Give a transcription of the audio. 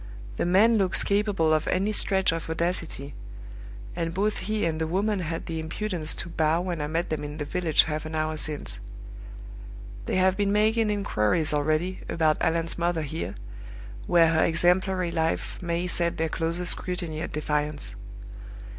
The man looks capable of any stretch of audacity; and both he and the woman had the impudence to bow when I met them in the village half an hour since. They have been making inquiries already about Allan's mother here, where her exemplary life may set their closest scrutiny at defiance.